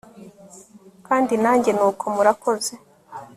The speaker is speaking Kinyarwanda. kandi nanjye nuko murakoze